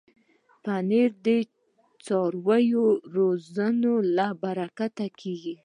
پنېر د څارویو روزنې له برکته کېږي.